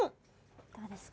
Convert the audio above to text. どうですか？